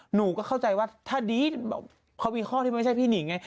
หนูก็เข้าใจว่าถ้าดีแบบเขามีข้อที่ไม่ใช่พี่หนิงไง